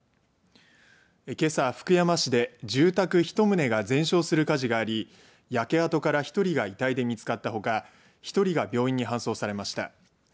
けさ、福山市で住宅１棟が全焼する火事があり焼け跡から１人が遺体で見つかったほか１人が病院に搬送されました。